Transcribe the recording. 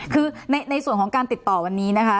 คือในส่วนของการติดต่อวันนี้นะคะ